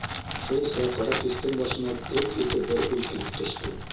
Шул саҡ Рәфистең башына «келт» итеп бер уй килеп төштө.